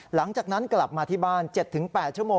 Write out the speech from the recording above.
หลังจากนั้นกลับมาที่บ้าน๗๘ชั่วโมง